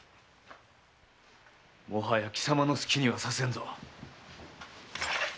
もはや貴様の好きにはさせぬぞ！